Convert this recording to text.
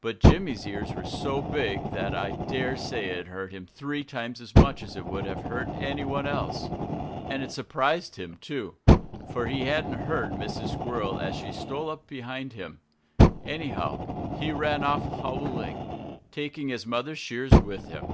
But Jimmy's ears were so big that I dare say it hurt him three times as much as it would have hurt anyone else. And it surprised him, too. For he hadn't heard Mrs. Squirrel as she stole up behind him. Anyhow, he ran off howling, taking his mother's shears with him.